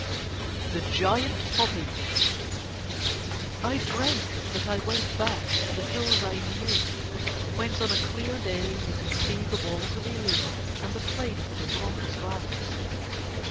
THE GIANT POPPY I dreamt that I went back to the hills I knew, whence on a clear day you can see the walls of Ilion and the plains of Roncesvalles.